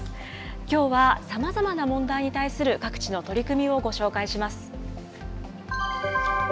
きょうはさまざまな問題に対する各地の取り組みをご紹介します。